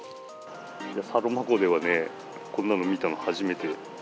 サロマ湖ではね、こんなの見たの初めて。